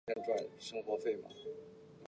后来在香港政府多方斡旋之下才被获释。